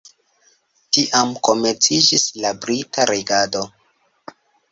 Tiam komenciĝis la brita regado.